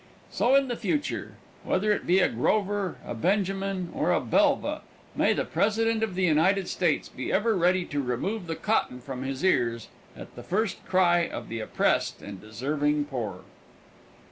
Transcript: So, in the future, whether it be a Grover, a Benjamin, or a Belva, may the President of the United States be ever ready to remove the cotton from his ears at the first cry of the oppressed and deserving poor.